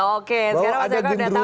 oke sekarang masyarakat sudah tahu ya